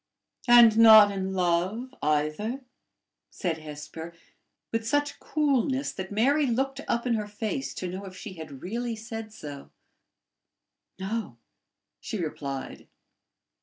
"And not in love either?" said Hesper with such coolness that Mary looked up in her face to know if she had really said so. "No," she replied.